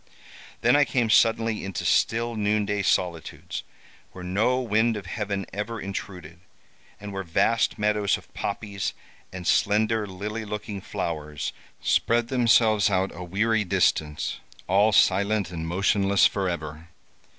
Then I came suddenly into still noonday solitudes, where no wind of heaven ever intruded, and where vast meadows of poppies, and slender, lily looking flowers spread themselves out a weary distance, all silent and motionless forever.